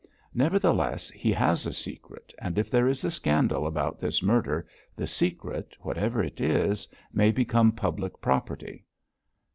Nevertheless, he has a secret, and if there is a scandal about this murder, the secret whatever it is may become public property.'